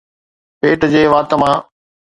پيٽ جي وات مان